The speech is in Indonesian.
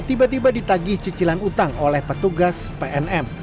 tiba tiba ditagih cicilan utang oleh petugas pnm